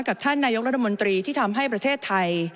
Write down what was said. กับท่านนายกรัฐมนตรีที่ทำให้ประเทศไทย